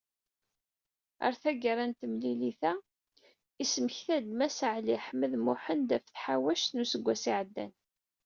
Ɣer taggara n temlilit-a, ismekta-d Mass Ɛli Ḥmed Muḥend, ɣef tḥawact n useggas i iɛeddan.